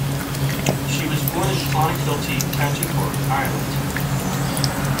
She was born in Clonakilty, County Cork, Ireland.